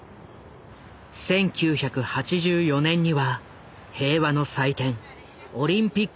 １９８４年には平和の祭典・オリンピックも開かれた。